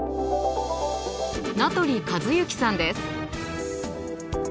名取和幸さんです。